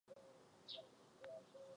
Je členem souboru Soldier String Quartet.